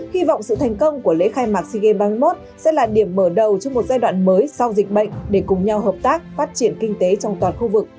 hy vọng sự thành công của lễ khai mạc sea games ba mươi một sẽ là điểm mở đầu cho một giai đoạn mới sau dịch bệnh để cùng nhau hợp tác phát triển kinh tế trong toàn khu vực